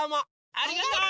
ありがとう！